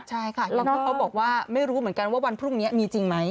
ใช่ค่ะเขาบอกว่าไม่รู้เหมือนกันว่าวันพรุ่งนี้มีจริงไหม